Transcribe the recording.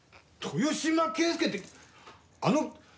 豊島圭介ってあの豊。